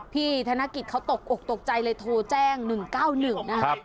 ธนกิจเขาตกอกตกใจเลยโทรแจ้ง๑๙๑นะครับ